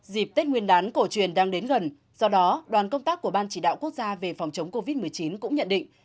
dịp tết nguyên đán cổ truyền đang đến gần do đó đoàn công tác của ban chỉ đạo quốc gia về phòng chống covid một mươi chín cũng nhận định